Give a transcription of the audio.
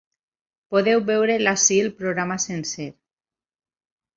Podeu veure el ací el programa sencer.